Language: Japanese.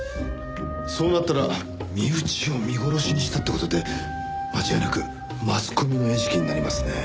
そうなったら身内を見殺しにしたって事で間違いなくマスコミの餌食になりますね。